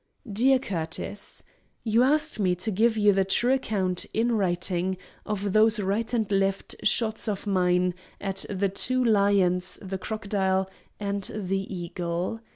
DEAR CURTIS,—You ask me to give you the true account, in writing, of those right and left shots of mine at the two lions, the crocodile, and the eagle.